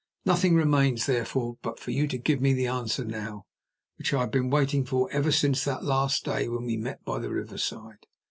Nothing remains, therefore, but for you to give me the answer now, which I have been waiting for ever since that last day when we met by the riverside.